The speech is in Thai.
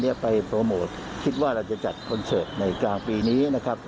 ไปโปรโมทคิดว่าเราจะจัดคอนเสิร์ตในกลางปีนี้นะครับ